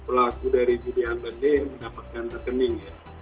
dan pelaku dari judian benih mendapatkan rekening ya